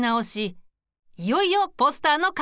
いよいよポスターの完成だ。